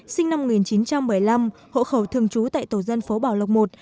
sinh năm một nghìn chín trăm bảy mươi năm hộ khẩu thường trú tại tổ dân phố bảo lộc một